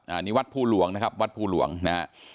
อันนี้วัดภูหลวงนะครับวัดภูหลวงนะฮะ